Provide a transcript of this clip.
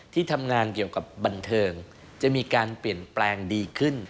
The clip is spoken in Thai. ที่ทำงานเกี่ยวกับบันเทิงจะมีการเปลี่ยนแปลงดีขึ้น